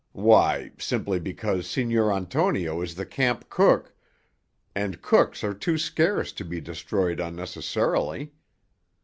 "Why, simply because Signor Antonio is the camp cook, and cooks are too scarce to be destroyed unnecessarily.